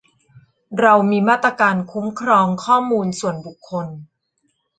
เรามีมาตราการคุ้มครองข้อมูลส่วนบุคคล